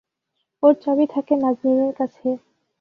ওর চাবি থাকে নাজনীনের কাছে।